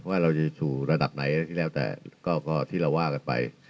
ว่าเราจะสู่ระดับไหนที่แล้วแต่ก็ที่เราว่ากันไป